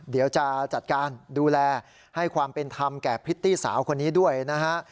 เดี๋ยวจะจัดการดูแลให้ความเป็นธรรมแก่พริตตี้สาวคนนี้ด้วยนะฮะ